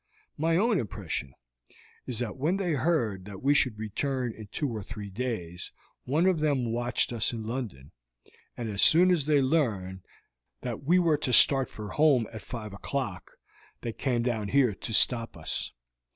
My own impression is that when they heard that we should return in two or three days one of them watched us in London, and as soon as they learned that we were to start for home at five o'clock they came down here to stop us.